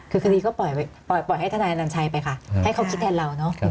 คือคดีก็ปล่อยไปปล่อยให้ท่านอันนันชัยไปค่ะให้เขาคิดแทนเราเนาะ